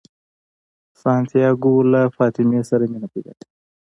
سانتیاګو له فاطمې سره مینه پیدا کوي.